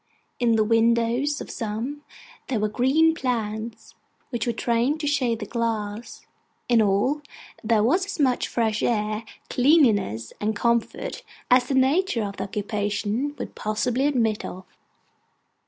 In the windows of some, there were green plants, which were trained to shade the glass; in all, there was as much fresh air, cleanliness, and comfort, as the nature of the occupation would possibly admit of.